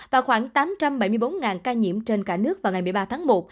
và khoảng tám trăm bảy mươi bốn ca nhiễm trên cả nước vào ngày một mươi ba tháng một